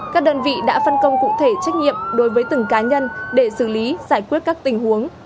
các đơn vị đã phân công cụ thể trách nhiệm đối với từng cá nhân để xử lý giải quyết các tình huống